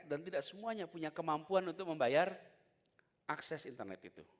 dan tidak semuanya punya kemampuan untuk membayar akses internet itu